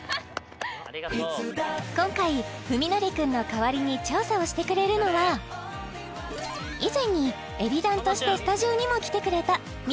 今回史記くんの代わりに調査をしてくれるのは以前にＥＢｉＤＡＮとしてスタジオにも来てくれたＭ！